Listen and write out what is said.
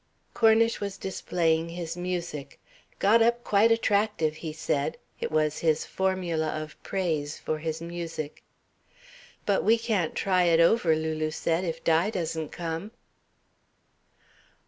Cornish was displaying his music. "Got up quite attractive," he said it was his formula of praise for his music. "But we can't try it over," Lulu said, "if Di doesn't come."